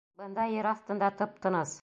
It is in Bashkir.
Бында, ер аҫтында, тып-тыныс.